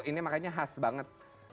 ini makanya khas banget